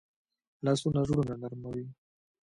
لاسونه زړونه نرموي